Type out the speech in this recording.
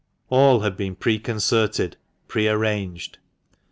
All had been preconcerted, pre arranged.